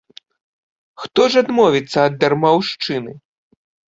Хто ж адмовіцца ад дармаўшчыны!